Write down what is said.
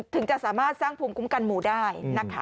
ถึงจะสามารถสร้างภูมิคุ้มกันหมู่ได้นะคะ